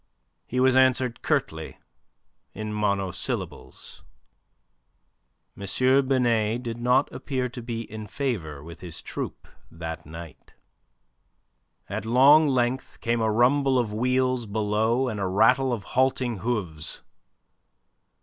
He was answered curtly, in monosyllables. M. Binet did not appear to be in favour with his troupe that night. At long length came a rumble of wheels below and a rattle of halting hooves.